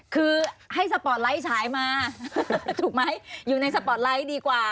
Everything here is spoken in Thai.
คือให้สปอร์ตไลท์ฉายมาถูกไหมอยู่ในสปอร์ตไลท์ดีกว่า